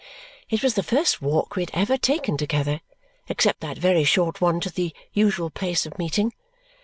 It was the first walk we had ever taken together, except that very short one to the usual place of meeting.